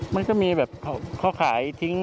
มันก็มีแบบเขาขายทิ้งครับขายทิ้งเยอะ